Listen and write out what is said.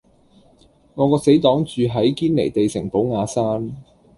我個死黨住喺堅尼地城寶雅山